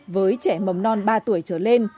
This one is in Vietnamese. với trẻ mầm non ba tuổi trở lên